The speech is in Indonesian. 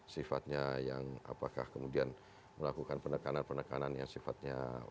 sifatnya yang apakah kemudian melakukan penekanan penekanan yang sifatnya